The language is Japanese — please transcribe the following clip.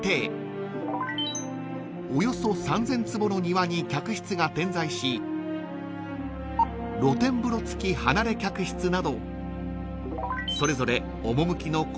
［およそ３，０００坪の庭に客室が点在し露天風呂付き離れ客室など］